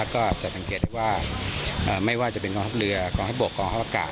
ก็จะสังเกตได้ว่าไม่ว่าจะเป็นกองทัพเรือกองทัพบกกองทัพอากาศ